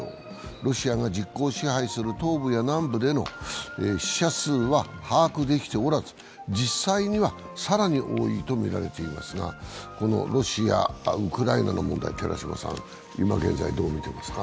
ロシアが実効支配する東部や南部での死者数は把握できておらず実際には更に多いとみられていますがロシア、ウクライナの問題、寺島さん、今現在どう見ていますか？